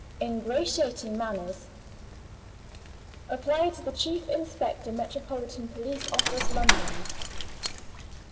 Ingratiating manners. Apply to the Chief Inspector, Metropolitan Police Office, London."